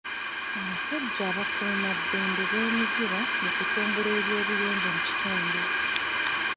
Abasajja abakuumaddembe beenyigira mu kutumbula eby'obuyonjo mu kitundu.